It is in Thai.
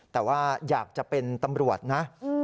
แต่ว่าอยากจะเป็นตำรวจนะ